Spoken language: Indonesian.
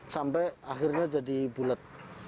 sampai akhirnya jadi bulat